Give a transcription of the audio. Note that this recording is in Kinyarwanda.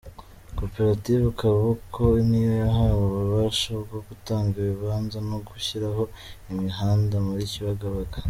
Koperative Goboka niyo yahawe ububasha bwo gutanga ibibanza no gushyiraho imihanda muri Kibagabaga.